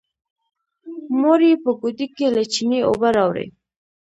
مور يې په ګوډي کې له چينې اوبه راوړې.